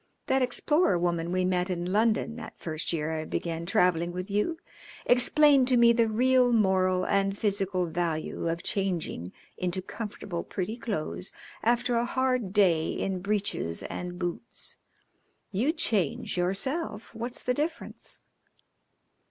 That explorer woman we met in London that first year I began travelling with you explained to me the real moral and physical value of changing into comfortable, pretty clothes after a hard day in breeches and boots. You change yourself. What's the difference?"